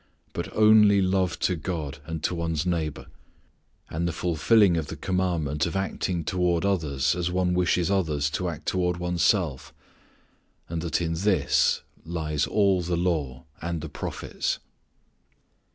but only love to God and to one's neighbor, and the fulfilling of the commandment of acting toward others as one wishes others to act toward oneself and that in this lies all the law and the prophets.